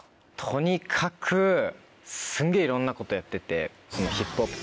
とにかくすんげぇいろんなことやってて。